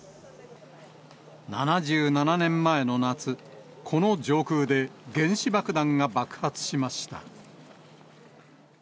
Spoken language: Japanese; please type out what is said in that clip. ７７年前の夏、この上空で原子爆弾が爆発しました。